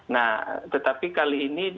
nah tetapi kali ini